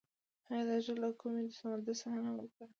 هغې د زړه له کومې د سمندر ستاینه هم وکړه.